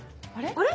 あれ？